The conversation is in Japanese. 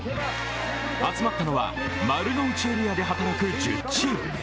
集まったのは丸の内エリアで働く１０チーム。